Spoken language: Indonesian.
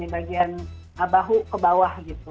bagian bahu ke bawah